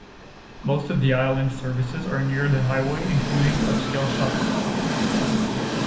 Most of the island's services are near the Highway, including upscale shopping malls.